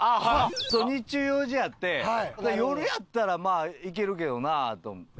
日中用事あって夜やったらまあいけるけどなと思って。